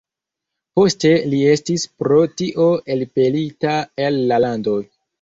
Poste li estis pro tio elpelita el la lando.